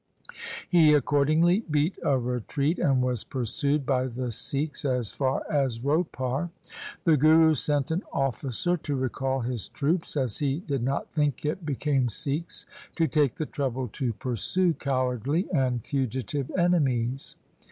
He accordingly beat a retreat, and was pursued by the Sikhs as far as Ropar. 126 THE SIKH RELIGION The Guru sent an officer to recall his troops as he did not think it became Sikhs to take the trouble to pursue cowardly and fugitive enemies.